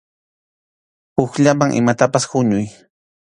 Hukllaman imatapas huñuy.